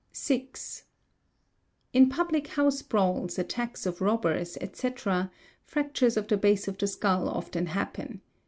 6. In public house brawls, attacks of robbers, etc., fractures of fl base of the skull often happen®™®.